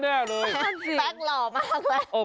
แป๊กหล่อมากแล้ว